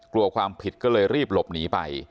กลัวความผิดก็เลยรีบหลบหนีไป